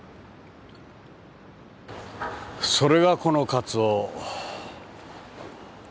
それがこのカツオ。